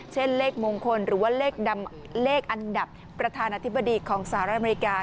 เช่นเลขมงคลหรือว่าเลขอันดับประธานาธิบดีของสหรัฐอเมริกา